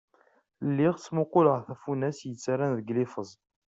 Lliɣ ttmuquleɣ tafunast yettarran deg liffeẓ.